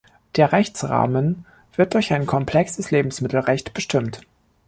Der Rechtsrahmen wird durch ein komplexes Lebensmittelrecht bestimmt.